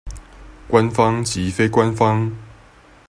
官方及非官方